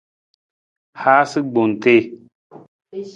Haasa gbong tii.